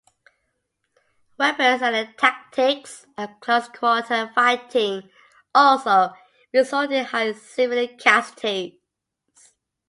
Weapons and the tactics of close quarter fighting also resulted in high civilian casualties.